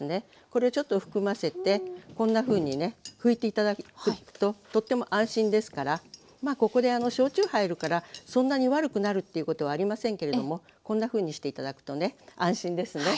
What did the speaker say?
これをちょっと含ませてこんなふうにね拭いて頂くととっても安心ですからまあここで焼酎入るからそんなに悪くなるということはありませんけれどもこんなふうにして頂くとね安心ですね。